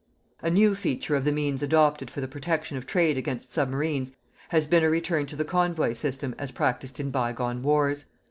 A new feature of the means adopted for the protection of trade against submarines has been a return to the convoy system as practised in bygone wars.